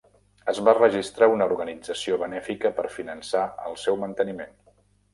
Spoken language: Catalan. Es va registrar una organització benèfica per finançar el seu manteniment.